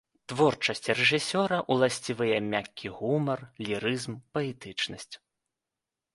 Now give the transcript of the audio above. Творчасці рэжысёра ўласцівыя мяккі гумар, лірызм, паэтычнасць.